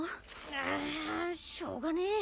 んっしょうがねえ。